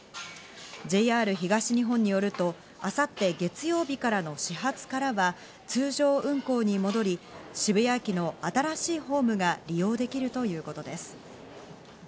ＪＲ東日本によると、明後日月曜日からの始発からは通常運行に戻り、渋谷駅の新しいホームが利用できるということです。